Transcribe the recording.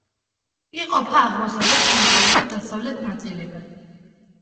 იყოფა აღმოსავლეთ, ცენტრალურ და დასავლეთ ნაწილებად.